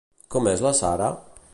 Com és la Sarah?